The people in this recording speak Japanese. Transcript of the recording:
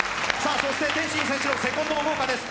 そして天心選手のセコンドも豪華です。